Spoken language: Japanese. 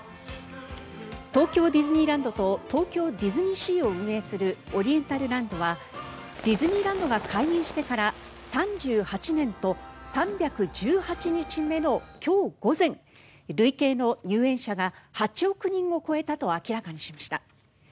東京ディズニーランドと東京ディズニーシーを運営するオリエンタルランドはディズニーランドが開園してから３８年と３１８日目の今日午前累計の入園者が８億人を超えたと明らかにしました。